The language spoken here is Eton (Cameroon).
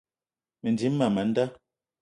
Mendim man a nda.